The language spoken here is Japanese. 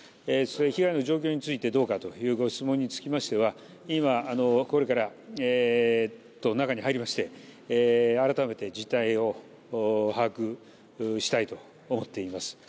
被害の状況についてどうかというご質問につきましては今、これから中に入りまして改めて実態を把握したいと思っております。